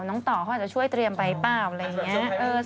ต่อเขาอาจจะช่วยเตรียมไปเปล่าอะไรอย่างนี้